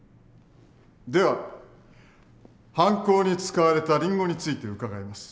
では犯行に使われたリンゴについて伺います。